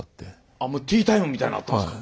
あっもうティータイムみたいのあったんですか？